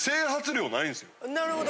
なるほど。